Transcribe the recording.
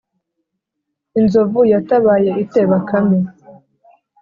inzovu yatabaye ite bakame?